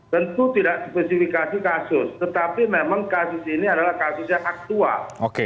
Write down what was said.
tentu tidak spesifikasi kasus tetapi memang kasus ini adalah kasus yang aktual